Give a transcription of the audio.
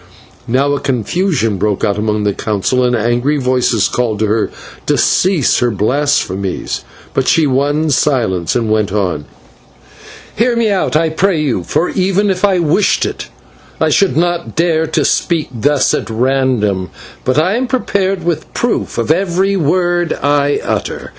Now a confusion broke out among the Council, and angry voices called to her to cease her blasphemies; but she won silence, and went on: "Hear me out, I pray you, for, even if I wished it, I should not dare to speak thus at random, but am prepared with proof of every word I utter.